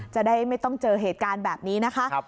จะได้ไม่ต้องเจอเหตุการณ์แบบนี้นะคะ